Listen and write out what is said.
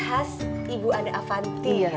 khas ibu anda avanti